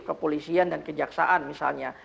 kepolisian dan kejaksaan misalnya